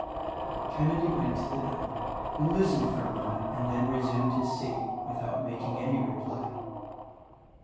Kenedy went to the door and listened for a moment and then resumed his seat, without making any reply.